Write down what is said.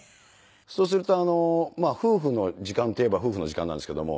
そうするとまあ夫婦の時間っていえば夫婦の時間なんですけども。